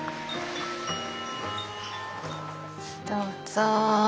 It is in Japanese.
どうぞ。